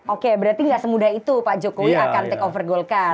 oke berarti nggak semudah itu pak jokowi akan take over golkar